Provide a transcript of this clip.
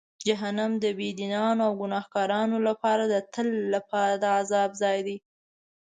جهنم د بېدینانو او ګناهکارانو لپاره د تل لپاره د عذاب ځای دی.